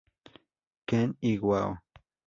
Ken Iwao